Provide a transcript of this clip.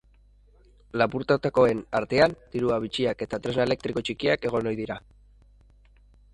Lapurtutakoen artean, dirua, bitxiak eta tresna elektriko txikiak egon ohi dira.